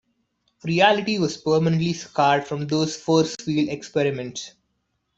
Reality was permanently scarred from those force field experiments.